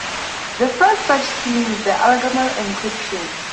The first such scheme is the ElGamal encryption.